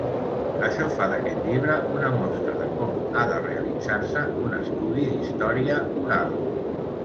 Això fa d'aquest llibre una mostra de com ha de realitzar-se un estudi d'història oral.